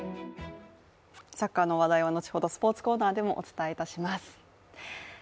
サッカーの話題は後ほどスポーツコーナーでもお伝えいたします。